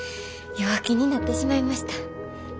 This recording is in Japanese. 弱気になってしまいました。